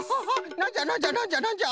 なんじゃなんじゃなんじゃなんじゃ！？